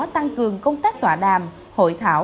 tăng cường công tác tọa đàm hội thảo